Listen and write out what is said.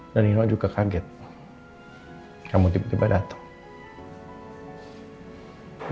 dan ini juga kaget kamu tiba tiba datang